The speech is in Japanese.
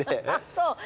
そう。